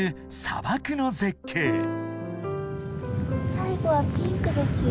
最後はピンクですよ。